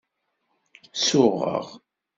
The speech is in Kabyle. Suɣeɣ.